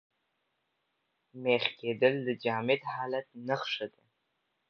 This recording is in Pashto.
مېخ کېدل د جامد حالت نخښه ده.